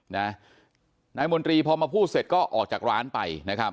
นายมนตรีพอมาพูดเสร็จก็ออกจากร้านไปนะครับ